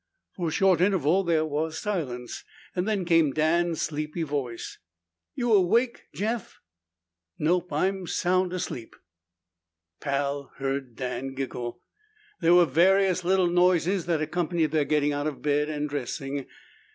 For a short interval there was silence. Then came Dan's sleepy voice. "You awake, Jeff?" "Nope. I'm sound asleep." Pal heard Dan giggle. There were various little noises that accompanied their getting out of bed and dressing.